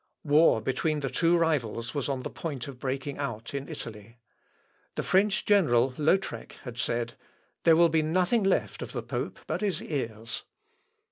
War between the two rivals was on the point of breaking out in Italy. The French general Lautrec had said, "There will be nothing left of the pope but his ears."